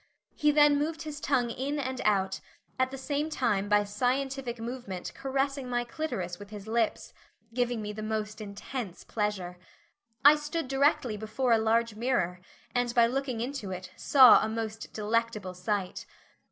He then moved his tongue in and out, at the same time by scientific movement caressing my clitoris with his lips giving me the most intense pleasure. I stood directly before a large mirror, and by looking into it, saw a most delectable sight.